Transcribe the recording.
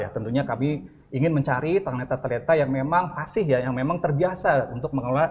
tentunya kami ingin mencari ternyata ternyata yang memang fasih yang memang terbiasa untuk mengelola digital